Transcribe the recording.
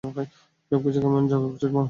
সবকিছুই কেমন জগাখিচুরি মনে হচ্ছে।